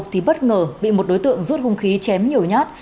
thì bất ngờ bị một đối tượng rút hung khí chém nhiều nhát